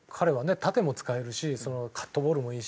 縦も使えるしカットボールもいいし